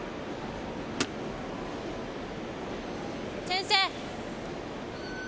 先生！